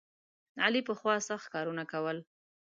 علي پخوا سخت کارونه کول.